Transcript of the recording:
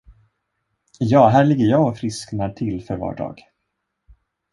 Ja, här ligger jag och frisknar till för var dag.